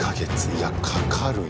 いやかかるよ